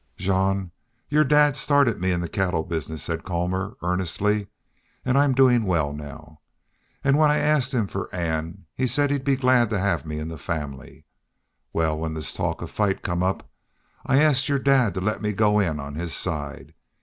"Jean, your dad started me in the cattle business," said Colmor, earnestly. "An' I'm doin' well now. An' when I asked him for Ann he said he'd be glad to have me in the family.... Well, when this talk of fight come up, I asked your dad to let me go in on his side.